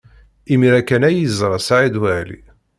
Imi-a kan ay yeẓra Saɛid Waɛli.